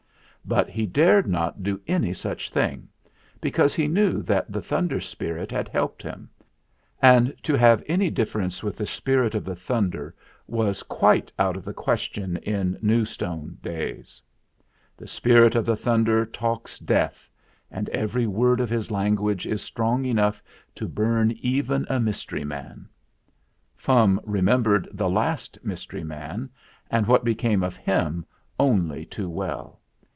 But he dared not do any such thing, because he knew that the Thunder Spirit had helped him; and to have any difference with the Spirit of the Thunder was quite out of the question THE MAKING OF THE CHARM 33 in New Stone days. The Spirit of the Thunder talks Death, and every word of his lan guage is strong enough to burn up even a mys tery man. Fum remembered the last mys tery man and what became of him only too well.